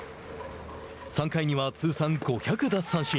３回には通算５００奪三振。